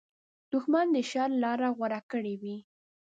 دښمن د شر لاره غوره کړې وي